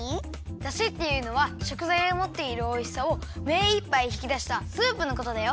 だしっていうのはしょくざいがもっているおいしさをめいっぱいひきだしたスープのことだよ。